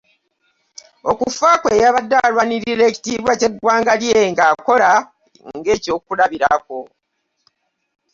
Okufa kwe, yabadde alwanirira ekitiibwa ky'eggwanga lye ng'akola ng'ekyokulabirako.